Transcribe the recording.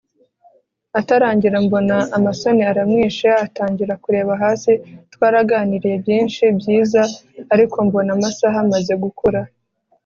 atarangira mbona amasoni aramwishe atangira kureba hasi! twaraganiriye byinshi byiza ariko mbona amasaha amaze gukura